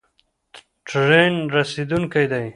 ټرین رسیدونکی دی